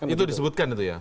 itu disebutkan itu ya